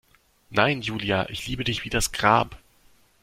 Nein, Julia, ich liebe dich wie das Grab.